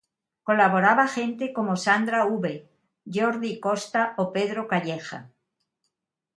Colaboraba gente como Sandra Uve, Jordi Costa o Pedro Calleja.